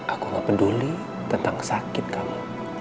aku gak peduli tentang sakit kamu